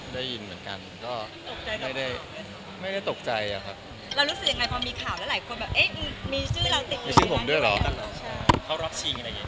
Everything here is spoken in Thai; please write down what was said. แล้วรู้สึกแยงไงเวลามีข่าวแล้วหลายคนบ้าวเอ๊ะมีชื่อล่าติ๊ก